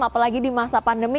apalagi di masa pandemi